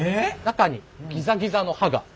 中にギザギザの歯が。